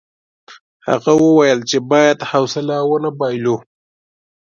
هغه وویل چې باید حوصله ونه بایلو.